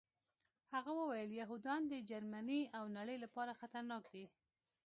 هغه وویل یهودان د جرمني او نړۍ لپاره خطرناک دي